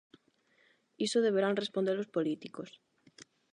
Iso deberán respondelo os políticos.